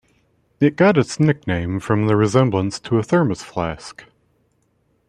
It got its nickname from the resemblance to a Thermos flask.